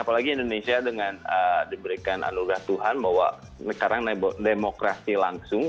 apalagi indonesia dengan diberikan anugerah tuhan bahwa sekarang demokrasi langsung